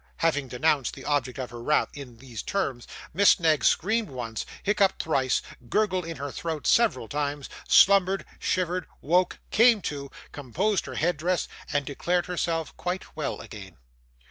Having denounced the object of her wrath, in these terms, Miss Knag screamed once, hiccuped thrice, gurgled in her throat several times, slumbered, shivered, woke, came to, composed her head dress, and declared herself quite well again.